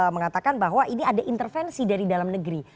mengatakan bahwa ini ada intervensi dari dalam negeri